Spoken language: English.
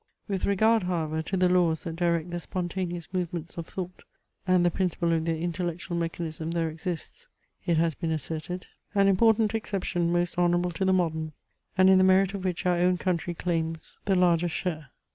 With regard, however, to the laws that direct the spontaneous movements of thought and the principle of their intellectual mechanism there exists, it has been asserted, an important exception most honourable to the moderns, and in the merit of which our own country claims the largest share.